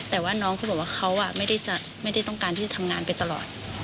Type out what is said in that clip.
แต่ว่าน้องเขาบอกว่าเขาไม่ได้ต้องการที่จะทำงานไปตลอด